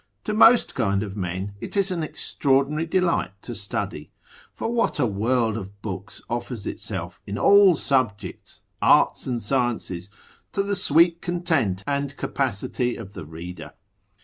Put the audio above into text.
To most kind of men it is an extraordinary delight to study. For what a world of books offers itself, in all subjects, arts, and sciences, to the sweet content and capacity of the reader?